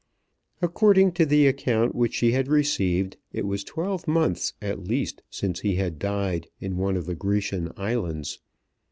According to the account which she had received, it was twelve months at least since he had died in one of the Grecian islands.